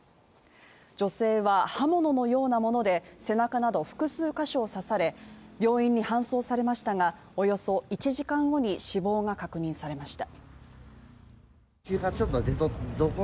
女性は刃物のようなもので背中などを複数箇所を刺され、病院に搬送されましたがおよそ１時間後に死亡が確認されました。